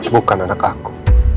bukan anak aku